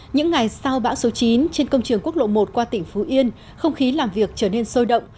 những ngày sau bão số chín trên công trường quốc lộ một qua tỉnh phú yên không khí làm việc trở nên sôi động